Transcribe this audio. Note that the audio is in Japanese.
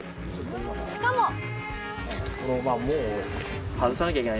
しかも。